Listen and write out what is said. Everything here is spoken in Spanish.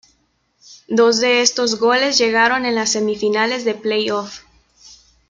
Dos de estos goles llegaron en las semifinales de play-off.